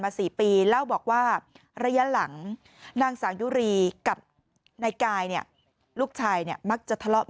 มา๔ปีแล้วบอกว่าระยะหลังนางสาวยุรีกับในกายลูกชายมักจะทะเลาะ